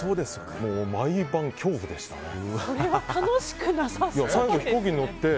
毎晩、恐怖でしたね。